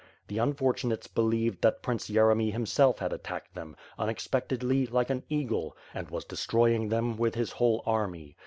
The unfortu nates believed that Prince Yeremy himself had attacked them, unexpectedly, like an eagle, and was destroying them with his whole army.